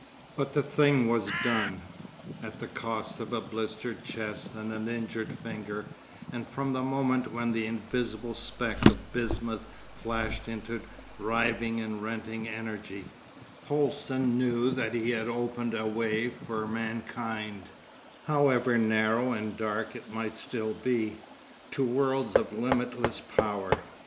But the thing was done—at the cost of a blistered chest and an injured finger, and from the moment when the invisible speck of bismuth flashed into riving and rending energy, Holsten knew that he had opened a way for mankind, however narrow and dark it might still be, to worlds of limitless power.